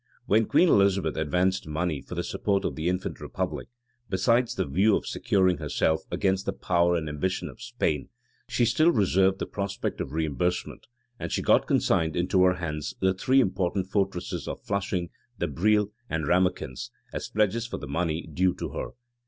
When Queen Elizabeth advanced money for the support of the infant republic, besides the view of securing herself against the power and ambition of Spain, she still reserved the prospect of reimbursement; and she got consigned into her hands the three important fortresses of Flushing, the Brille, and Rammekins, as pledges for the money due to her.